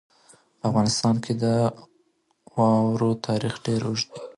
په افغانستان کې د واورو تاریخ ډېر اوږد دی.